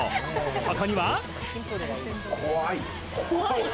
そこには。